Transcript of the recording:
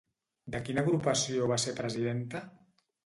De quina agrupació va ser presidenta?